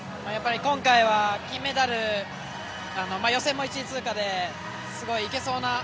今回は金メダルが予選も１位通過ですごい行けそうな。